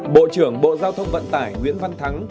bộ trưởng bộ giao thông vận tải nguyễn văn thắng